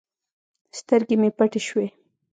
سترګې مې پټې سوې.